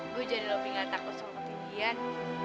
gue jadi lebih nggak takut sama tindian